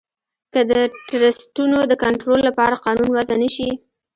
که د ټرسټونو د کنترول لپاره قانون وضعه نه شي.